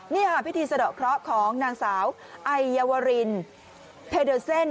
นี่ค่ะพิธีสะดอกเคราะห์ของนางสาวไอยาวรินเพเดอร์เซ่น